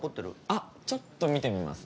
あっちょっと見てみますね。